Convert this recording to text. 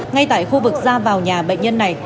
ngay tại khu vực ra vào nhà bệnh nhân này